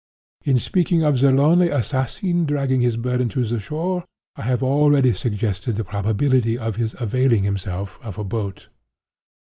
"In speaking of the lonely assassin dragging his burden to the shore, I have already suggested the probability of his availing himself of a boat.